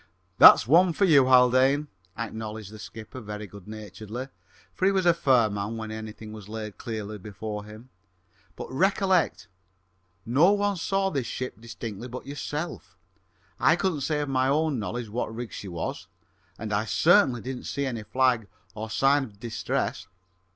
"That's one for you, Haldane," acknowledged the skipper very good naturedly, for he was a fair man when anything was laid clearly before him. "But, recollect, no one saw this ship distinctly but yourself. I couldn't say of my own knowledge what rig she was, and I certainly didn't see any flag or sign of distress.